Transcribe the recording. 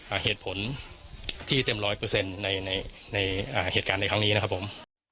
เหตุผลที่เต็มร้อยเปอร์เซ็นต์ในในอ่าเหตุการณ์ในครั้งนี้นะครับผม